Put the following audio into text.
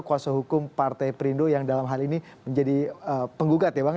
kuasa hukum partai perindo yang dalam hal ini menjadi penggugat ya bang